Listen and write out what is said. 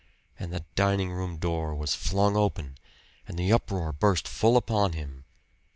and the dining room door was flung open, and the uproar burst full upon him.